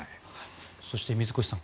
そして水越さん